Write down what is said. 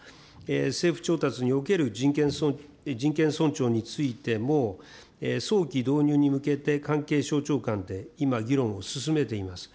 政府調達における人権尊重についても、早期導入に向けて関係省庁間で今、議論を進めています。